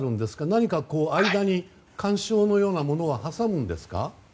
何か間に緩衝のようなものは挟むんですか？